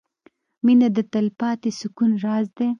• مینه د تلپاتې سکون راز دی.